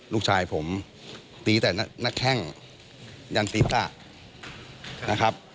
ลูกชายผมตีแต่นักแข้งยันศีรษะนะครับ